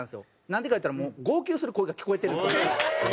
なんでか言うたらもう号泣する声が聞こえてるんですよ。